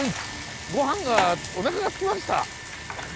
御飯がおなかがすきました。